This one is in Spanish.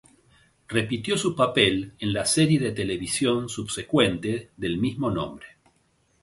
Repitió su papel en la serie de televisión subsecuente del mismo nombre.